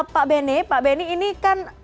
pak benny pak benny ini kan